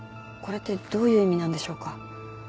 これってどういう意味なんでしょうか？